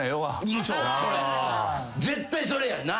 絶対それやな。